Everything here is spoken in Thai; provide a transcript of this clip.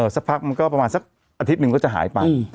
สักพักมันก็ประมาณสักอาทิตย์หนึ่งก็จะหายไป